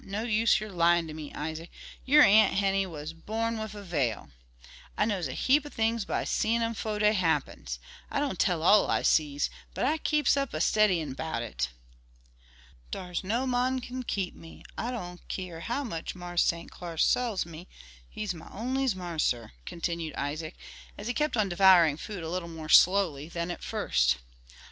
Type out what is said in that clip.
No use yer lyin' ter me, Isaac, yer Aunt Henny was born wif a veil. I knows a heap o' things by seein' 'em fo' dey happens. I don' tell all I sees, but I keeps up a steddyin' 'bout it." "Dar's no mon can keep me, I don't keer how much Marse St. Clar sells me; he's my onlies' marser," continued Isaac, as he kept on devouring food a little more slowly than at first.